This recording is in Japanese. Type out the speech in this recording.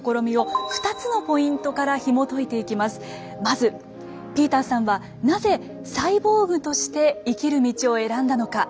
まずピーターさんはなぜサイボーグとして生きる道を選んだのか。